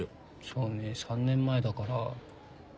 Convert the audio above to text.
そうね３年前だから。